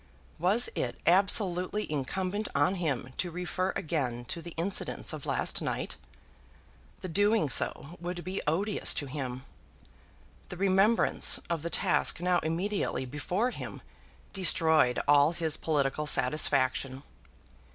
Was it absolutely incumbent on him to refer again to the incidents of last night? The doing so would be odious to him. The remembrance of the task now immediately before him destroyed all his political satisfaction.